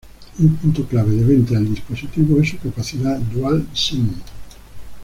Un punto clave de venta del dispositivo es su capacidad dual sim.